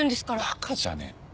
バカじゃねえの。